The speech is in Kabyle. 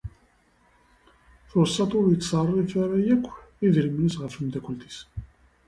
Tweṣṣa-t ur yetṣerrif ara yakk idrimen-is ɣef temdakult-is.